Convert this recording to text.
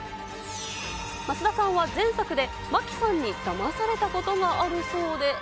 増田さんは前作で、真木さんにだまされたことがあるそうで。